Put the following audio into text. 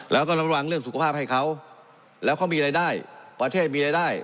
แล้วก็ระวังเรื่องสุขภาพให้เขาแล้วเขามีรายได้ประเทศมีรายได้